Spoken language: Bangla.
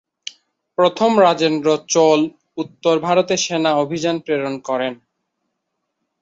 প্রথম রাজেন্দ্র চোল উত্তর ভারতে সেনা অভিযান প্রেরণ করেন।